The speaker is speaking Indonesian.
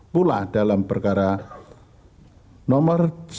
pula dalam perkara nomor satu